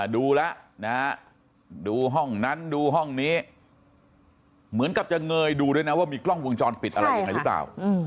ดูแล้วนะฮะดูห้องนั้นดูห้องนี้เหมือนกับจะเงยดูด้วยนะว่ามีกล้องวงจรปิดอะไรยังไงหรือเปล่า